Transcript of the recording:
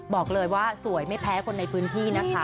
บอกเลยว่าสวยไม่แพ้คนในพื้นที่นะคะ